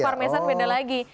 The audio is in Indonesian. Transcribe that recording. itu parmesan beda lagi